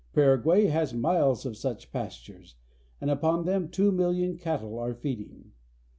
Paraguay has miles of such pastures, and upon them two million cattle are feeding.